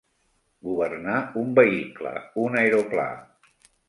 Governar un vehicle, un aeroplà.